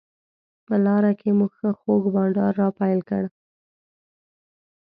په لاره کې مو ښه خوږ بانډار راپیل کړ.